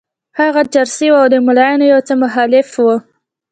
هغه چرسي وو او د ملایانو یو څه مخالف وو.